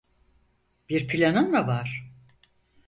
Bir planın mı var?